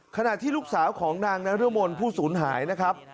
ขณะที่ลูกสาวของนางนรมนผู้สูญหายนะครับ